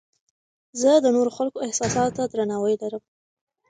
زه د نورو خلکو احساساتو ته درناوی لرم.